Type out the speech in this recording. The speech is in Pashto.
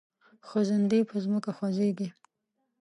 خزندې په ځمکه خوځیږي